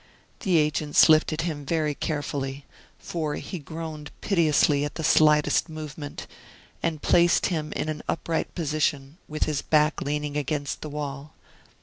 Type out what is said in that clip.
The agents lifted him very carefully for he groaned piteously at the slightest movement and placed him in an upright position, with his back leaning against the wall.